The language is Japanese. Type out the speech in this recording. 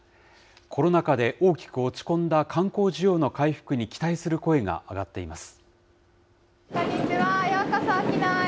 コロナ禍で大きく落ち込んだ観光需要の回復に期待する声が上がっています。